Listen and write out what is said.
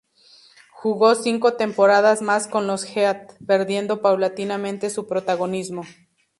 Jugó cinco temporadas más con los Heat, perdiendo paulatinamente su protagonismo.